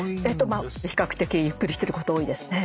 まあ比較的ゆっくりしてること多いですね。